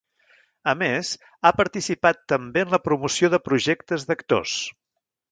A més, ha participat també en la promoció de projectes d'actors.